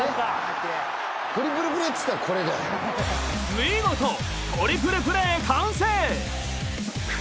見事トリプルプレー完成。